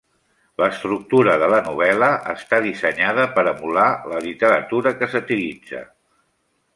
L'estructura de la novel·la està dissenyada per emular la literatura que satiritza.